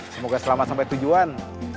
semoga selamat sampai tujuan